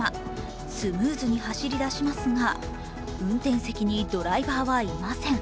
スムーズに走り出しますが運転席にドライバーはいません。